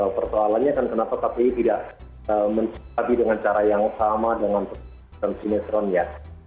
pertualannya kan kenapa kpi tidak mencapai dengan cara yang sama dengan program sinetron ya